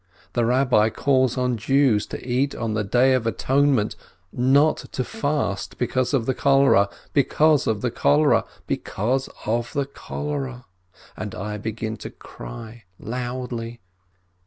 The Rabbi calls on Jews to eat on the Day of Atonement — not to fast, because of the cholera — because of the cholera — because of the cholera ... and I begin to cry loudly.